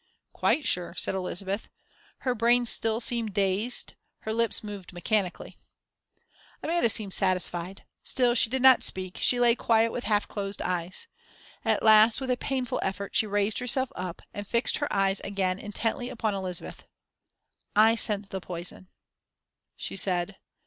"Quite sure," said Elizabeth. Her brain still seemed dazed, her lips moved mechanically. Amanda seemed satisfied. Still, she did not speak, she lay quiet, with half closed eyes. At last, with a painful effort, she raised herself up, and fixed her eyes again intently upon Elizabeth. "I sent the poison," she said.